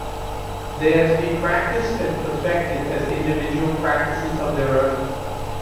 They are to be practiced and perfected as individual practices of their own.